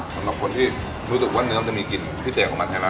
สำหรับคนที่รู้สึกว่าเนื้อมันจะมีกลิ่นพิเศษของมันใช่ไหม